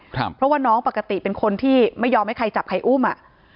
เพราะว่าน้องปกติเป็นคนที่ไม่ยอมให้ใครจับใครอุ้มอ่ะ